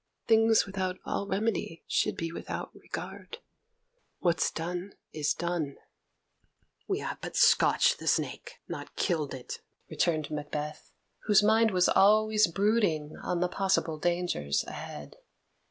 Things without all remedy should be without regard; what's done is done." "We have but scotched the snake, not killed it," returned Macbeth, whose mind was always brooding on the possible dangers ahead.